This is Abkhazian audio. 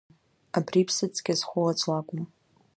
Абри ԥсыцқьа зхоу аӡә лакәым!